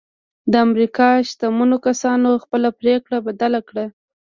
د امريکا شتمنو کسانو خپله پرېکړه بدله کړه.